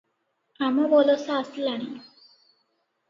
ଆମବଲସା ଆସିଲାଣି?